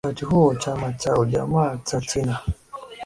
Wakati huo Chama cha ujamaa cha China